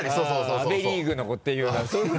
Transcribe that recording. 阿部リーグのっていうのは。